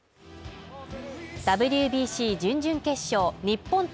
ＷＢＣ準々決勝日本対